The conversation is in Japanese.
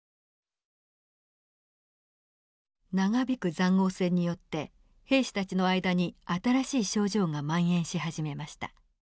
長引く塹壕戦によって兵士たちの間に新しい症状がまん延し始めました。